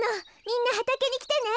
みんなはたけにきてね。